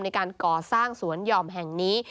ในการก่อสร้างสวนหย่อมแห่งนี้